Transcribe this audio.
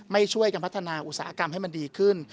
ไม่ช่วยกันพัฒนาอุตสาหกรรมให้มันดีขึ้น